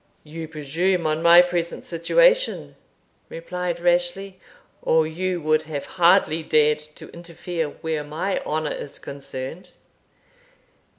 "You presume on my present situation," replied Rashleigh, "or you would have hardly dared to interfere where my honour is concerned."